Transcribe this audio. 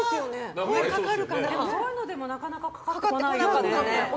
そういうのでもなかなかかかってこないよね。